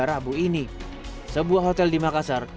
rabu ini sebuah hotel di makassar